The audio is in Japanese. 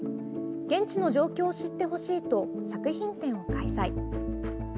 現地の状況を知ってほしいと作品展を開催。